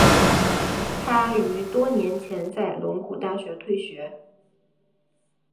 他于多年前在龙谷大学退学。